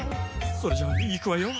それじゃいくわよ。